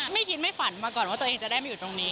ไม่คิดไม่ฝันมาก่อนว่าตัวเองจะได้มาอยู่ตรงนี้